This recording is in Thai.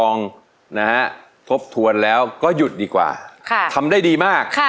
ลองนะฮะทบทวนแล้วก็หยุดดีกว่าค่ะทำได้ดีมากค่ะ